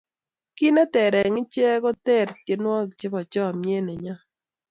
kit ne ter ing' achek ko ter tiedwanik chebo chamiet ne nyo